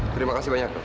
terima kasih banyak